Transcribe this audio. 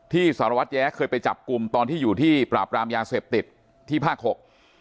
สารวัตรแย้เคยไปจับกลุ่มตอนที่อยู่ที่ปราบรามยาเสพติดที่ภาคหก